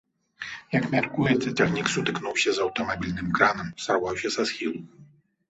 Як мяркуецца, цягнік сутыкнуўся з аўтамабільным кранам, сарваўся са схілу.